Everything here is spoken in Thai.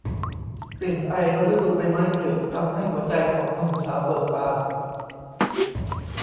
กลิ่นไอฤดูใบไม้ผลิทำให้หัวใจของหนุ่มสาวเบิกบาน